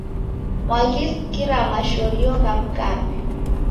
Mwaghisikira masholio gha mkape?